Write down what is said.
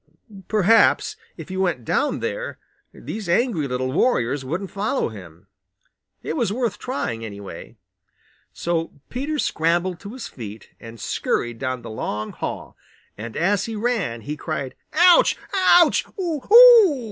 Perhaps if he went down there, these angry little warriors wouldn't follow him. It was worth trying, anyway. So Peter scrambled to his feet and scurried down the long hall, and as he ran, he cried "Ouch! Ouch! Oh! Ohoo!"